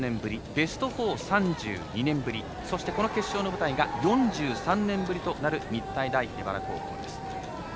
ベスト４、３２年ぶりこの決勝の舞台が４３年ぶりとなる日体大荏原高校です。